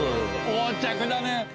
横着だね！